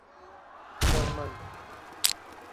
German